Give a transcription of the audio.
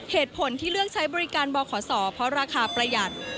เหตุผลที่เลือกใช้บริการบขศเพราะราคาประหยัด